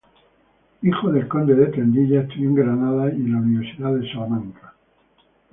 Hijo del conde de Tendilla, estudió en Granada y en la Universidad de Salamanca.